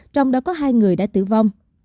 trong đó có hai người đã tử vong